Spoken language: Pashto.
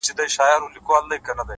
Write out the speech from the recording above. څومره له حباب سره ياري کوي _